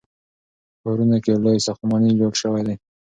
په ښارونو کې لوی ساختمانونه جوړ شوي دي.